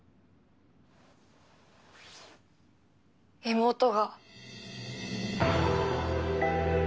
妹が。